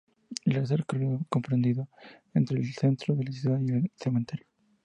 Realiza el recorrido comprendido entre el centro de la ciudad y el cementerio.